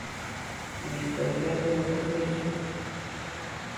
Néstor Rego no Congreso.